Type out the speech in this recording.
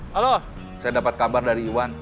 halo saya dapat kabar dari iwan